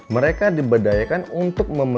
mereka diberdayakan untuk menjahit